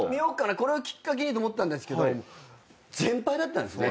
これをきっかけにと思ったけど全敗だったんですね。